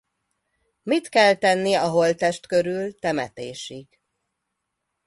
Mit kell tenni a holttest körül temetésig?